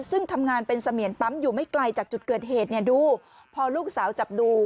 ซึ่งทำงานเป็นเสมียนปั๊มอยู่ไม่ไกลจากจุดเกิดเหตุเนี่ยดูพอลูกสาวจับดู